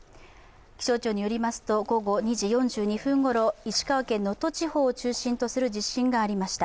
気象庁によりますと午後２時４２分ごろ石川県能登地方を中心とする地震がありました。